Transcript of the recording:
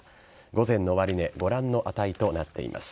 午前の終値ご覧の値となっています。